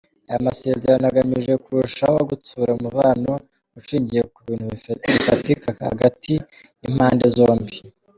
Aya masezerano agamije kurushaho gutsura umubano ushingiye ku bintu bifatika hagati y’impande zombi.